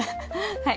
はい。